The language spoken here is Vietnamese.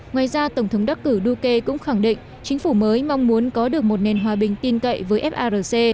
ngoài ra tổng thống đắc cử duque cũng khẳng định chính phủ mới mong muốn có được một nền hòa bình tin cậy với farc